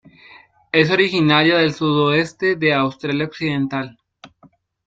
Es originaria del sudoeste de Australia Occidental.